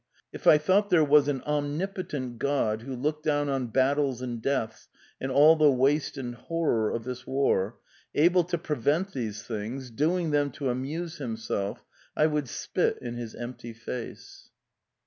if I thought there was an omnipotent God who looked down on battles and deaths and all the waste and horror of this war — able to prevent these things — doing them to amuse himself — I would spit in his empty face.